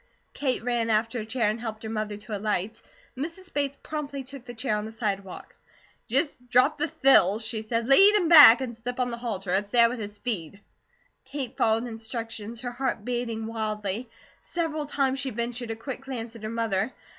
Kate ran after a chair, and helped her mother to alight. Mrs. Bates promptly took the chair, on the sidewalk. "Just drop the thills," she said. "Lead him back and slip on the halter. It's there with his feed." Kate followed instructions, her heart beating wildly. Several times she ventured a quick glance at her mother.